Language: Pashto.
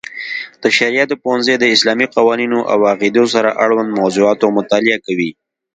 د شرعیاتو پوهنځی د اسلامي قوانینو او عقیدو سره اړوند موضوعاتو مطالعه کوي.